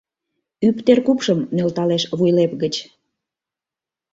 Ӱп теркупшым нӧлталеш вуйлеп гыч